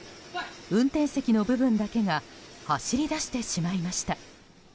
運転席の部分だけが走り出してしまいました。